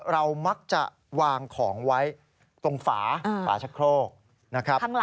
เรามักจะวางของไว้ตรงฝาฝาชะโครกนะครับ